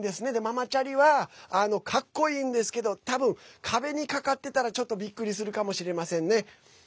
ママチャリはかっこいいんですけど多分、壁にかかってたらちょっとびっくりするかもしれませんね。